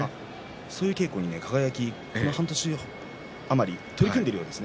そういう稽古輝は半年余り取り組んでいるようです。